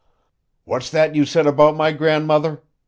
"What's that you said about my grandmother?"